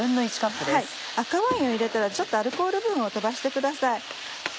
赤ワインを入れたらちょっとアルコール分を飛ばしてください。